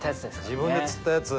自分で釣ったやつ。